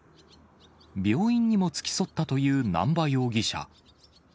病院にも付き添ったという南波容疑者。